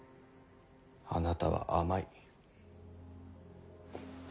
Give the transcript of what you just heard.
あなたは甘い。